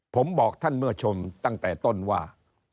ผมบอกท่านเมื่อชมตั้งแต่ต้นว่า